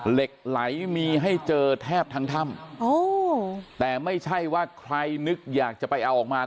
เหล็กไหลมีให้เจอแทบทั้งถ้ำแต่ไม่ใช่ว่าใครนึกอยากจะไปเอาออกมา